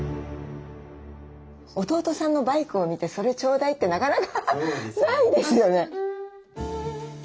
弟さんのバイクを見て「それちょうだい」ってなかなかないですよね。